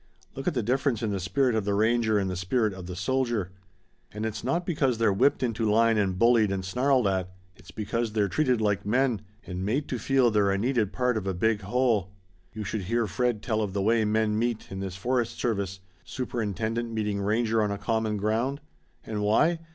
Look at the difference in the spirit of the ranger and the spirit of the soldier! And it's not because they're whipped into line and bullied and snarled at. It's because they're treated like men and made to feel they're a needed part of a big whole. You should hear Fred tell of the way men meet in this forest service superintendent meeting ranger on a common ground. And why?